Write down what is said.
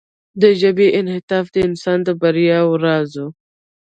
د ژبې انعطاف د انسان د بریا راز و.